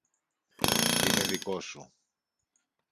Είμαι δικός σου